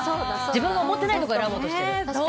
自分が思ってないところを選ぼうとしてる。